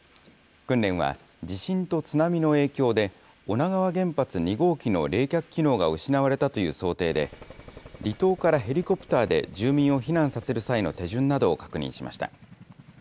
訓練は、地震と津波の影響で、女川原発２号機の冷却機能が失われたという想定で、離島からヘリコプターで住民を避難させる際の手順などを確認しました。